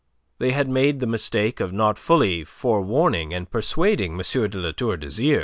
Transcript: They had made the mistake of not fully forewarning and persuading M. de La Tour d'Azyr.